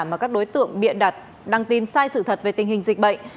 mà các đối tượng bịa đặt đăng tin sai sự thật về tình hình dịch bệnh